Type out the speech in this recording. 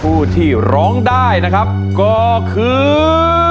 ผู้ที่ร้องได้นะครับก็คือ